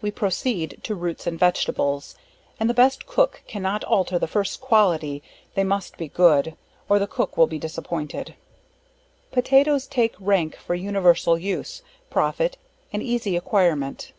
We proceed to ROOTS and VEGETABLES and the best cook cannot alter the first quality, they must be good, or the cook will be disappointed. Potatoes, take rank for universal use, profit and easy acquirement.